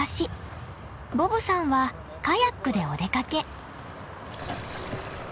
ボブさんはカヤックでお出かけ。